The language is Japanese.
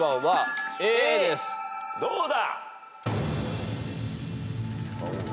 どうだ？